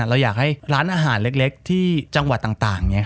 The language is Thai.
เราอยากให้ร้านอาหารเล็กที่จังหวัดต่าง